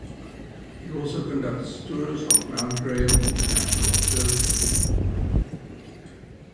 It also conducts tours of Mount Graham International Observatory.